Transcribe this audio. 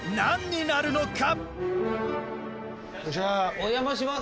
お邪魔します